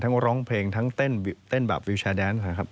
ทั้งร้องเพลงทั้งเต้นแบบวิวแชร์แดนส์